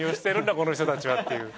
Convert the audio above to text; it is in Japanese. この人たちはっていう。